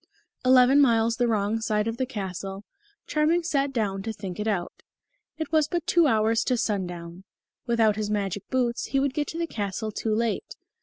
Eleven miles the wrong side of the castle, Charming sat down to think it out. It was but two hours to sundown. Without his magic boots he would get to the castle too late.